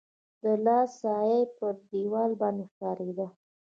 د لاس سایه يې پر دیوال باندي ښکارېده.